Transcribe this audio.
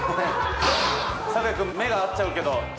サクヤ君目が合っちゃうけど。